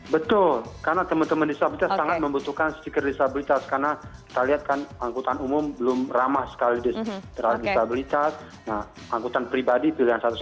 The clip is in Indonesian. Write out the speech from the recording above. betul karena teman teman disabilitas sangat membutuhkan stiker disabilitas karena kita lihat kan angkutan umum belum ramah sekali terhadap disabilitas